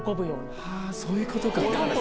はー、そういうことか。